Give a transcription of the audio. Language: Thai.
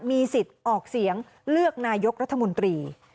มีสิทธิ์ออกเสียงเลือกนายกรัฐมนตรี